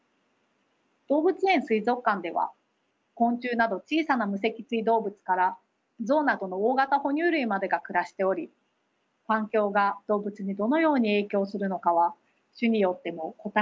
動物園水族館では昆虫など小さな無脊椎動物からゾウなどの大型ほ乳類までが暮らしており環境が動物にどのように影響するのかは種によっても個体によっても異なります。